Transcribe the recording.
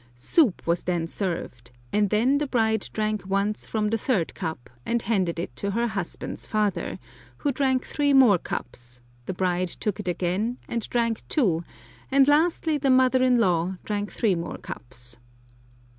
Soup was then served, and then the bride drank once from the third cup, and handed it to her husband's father, who drank three more cups, the bride took it again, and drank two, and lastly the mother in law drank three more cups.